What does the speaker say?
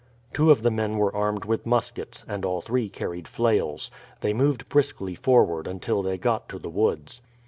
Two of the men were armed with muskets, and all three carried flails. They moved briskly forward until they got to the woods.